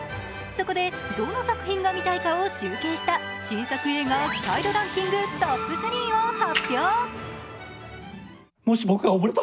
そこでどの作品が見たいかを集計した、新作映画期待度ランキングトップ３を発表。